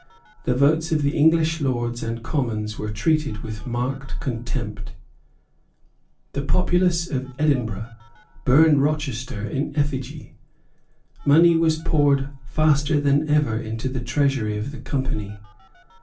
The votes of the English Lords and Commons were treated with marked contempt. The populace of Edinburgh burned Rochester in effigy. Money was poured faster than ever into the treasury of the Company.